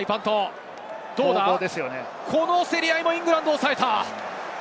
この競り合いもイングランドがおさえた。